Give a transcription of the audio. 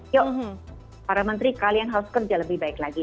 yuk para menteri kalian harus kerja lebih baik lagi